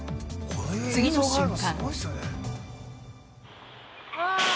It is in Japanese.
［次の瞬間］